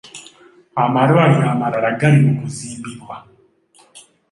Amalwaliro amalala gali mu kuzimbibwa.